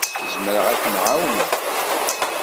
Zemreɣ ad kem-ɛawneɣ.